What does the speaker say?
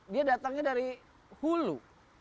dia datangnya dari hulu